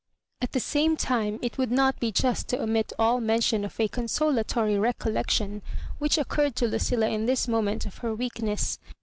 At the same time, it would not be just to omit all mention of a consolatory recollection which occurred to Lucilla in this moment of her weak ness.